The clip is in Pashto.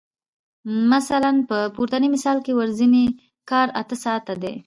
مثلاً په پورتني مثال کې ورځنی کار اته ساعته دی